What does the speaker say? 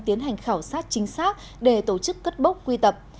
tiến hành khảo sát chính xác để tổ chức cất bốc quy tập